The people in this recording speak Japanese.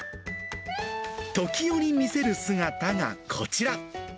時折見せる姿がこちら。